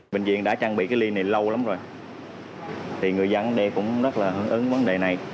bệnh viện đã trang bị ly này lâu lắm rồi thì người dân cũng rất hưởng ứng vấn đề này